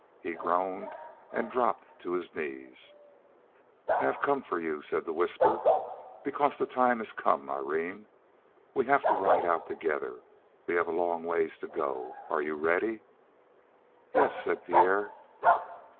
He groaned, and dropped to his knees. "I have come for you," said the whisper, "because the time has come, Irene. We have to ride out together. We have a long ways to go. Are you ready?" "Yes," said Pierre.